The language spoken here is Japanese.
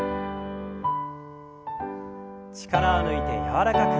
力を抜いて柔らかく。